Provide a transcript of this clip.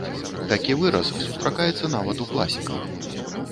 Такі выраз сустракаецца нават у класікаў.